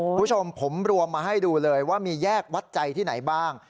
คุณผู้ชมผมรวมมาให้ดูเลยว่ามีแยกวัดใจที่ไหนบ้าง